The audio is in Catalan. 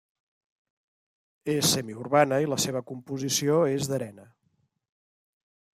És semiurbana i la seva composició és d'arena.